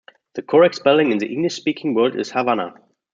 The correct spelling in the English speaking world is Havana.